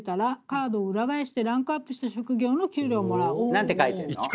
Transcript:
何て書いてんの？